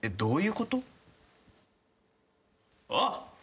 あっ！